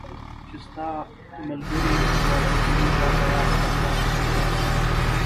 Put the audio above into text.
چې تا ستا ملګري والنتیني ته تیار کړم، دا مهم کار دی.